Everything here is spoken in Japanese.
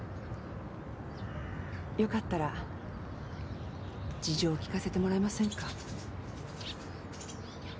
よかったら事情を聞かせてもらえませんか？